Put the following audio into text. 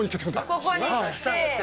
ここに来て。